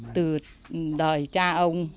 từ đời cha ông